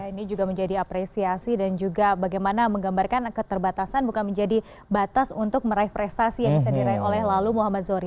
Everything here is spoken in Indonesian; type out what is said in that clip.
ini juga menjadi apresiasi dan juga bagaimana menggambarkan keterbatasan bukan menjadi batas untuk meraih prestasi yang bisa diraih oleh lalu muhammad zohri